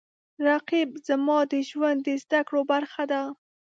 رقیب زما د ژوند د زده کړو برخه ده